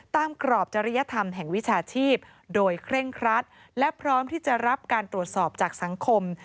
กรอบจริยธรรมแห่งวิชาชีพโดยเคร่งครัดและพร้อมที่จะรับการตรวจสอบจากสังคม